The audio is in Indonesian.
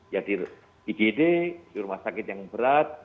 ya di igd di rumah sakit yang berat